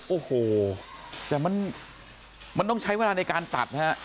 โอ้โหแต่มันต้องใช้เวลาในการตัดนะฮะ